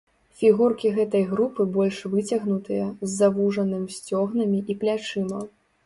Фігуркі гэтай групы больш выцягнутыя, з завужаным сцёгнамі і плячыма.